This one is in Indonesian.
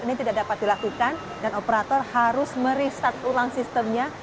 ini tidak dapat dilakukan dan operator harus meriset ulang sistemnya